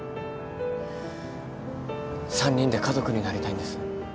３人で家族になりたいんです。